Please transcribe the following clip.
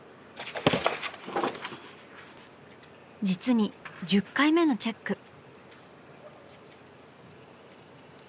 実に１０回目のチェック。